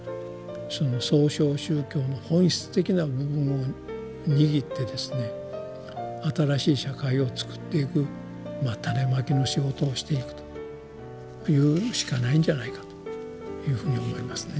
その創唱宗教の本質的な部分を握ってですね新しい社会をつくっていく種まきの仕事をしていくと言うしかないんじゃないかというふうに思いますね。